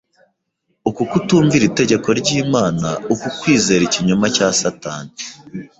Uku kutumvira itegeko ry’Imana, uku kwizera ikinyoma cya Satani